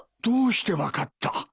どうして分かった？